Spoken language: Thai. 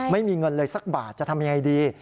ไม่มีเงินเลยสักบาทจะทำยังไงดี